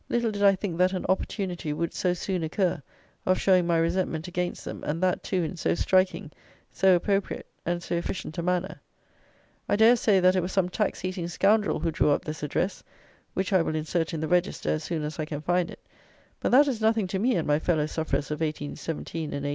Little did I think that an opportunity would so soon occur of showing my resentment against them, and that, too, in so striking, so appropriate, and so efficient a manner. I dare say, that it was some tax eating scoundrel who drew up this address (which I will insert in the Register, as soon as I can find it); but that is nothing to me and my fellow sufferers of 1817 and 1819.